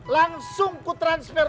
langsung ku transfer